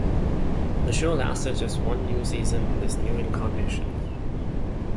The show lasted just one season in this new incarnation.